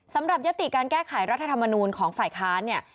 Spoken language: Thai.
สำหรับยติการแก้ไขรัฐธรรมนูลของฝ่ายค้านี่